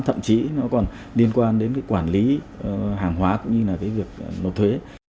thậm chí nó còn liên quan đến quản lý hàng hóa cũng như việc nộp thuế